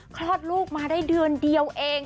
คลอดลูกมาได้เดือนเดียวเอง